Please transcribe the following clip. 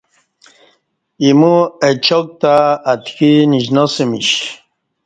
ایمو اچاک تہ اتکی نیشناسمیش